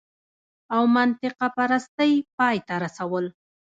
او منطقه پرستۍ پای ته رسول